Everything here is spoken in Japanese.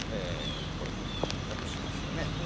これふみちゃんだとしますよね。